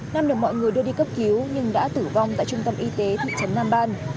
nam được mọi người đưa đi cấp cứu nhưng đã tử vong tại trung tâm y tế thị trấn nam ban